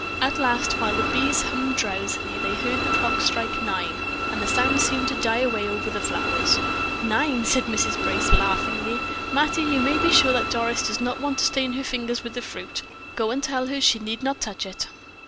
At last, while the bees hummed drowsily, they heard the clock strike nine; and the sound seemed to die away over the flowers. "Nine," said Mrs. Brace, laughingly. "Mattie, you may be sure that Doris does not want to stain her fingers with the fruit. Go and tell her she need not touch it."